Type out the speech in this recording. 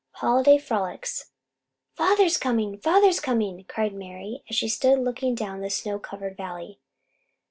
HOLIDAY FROLICS "FATHER'S coming, father's coming!" cried Mari as she stood looking down the snow covered valley.